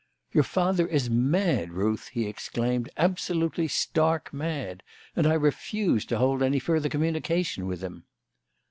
"Your father is mad, Ruth!" he exclaimed; "absolutely stark mad! And I refuse to hold any further communication with him."